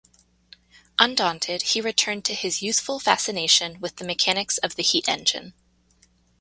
Undaunted, he returned to his youthful fascination with the mechanics of the heat engine.